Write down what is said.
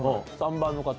３番の方。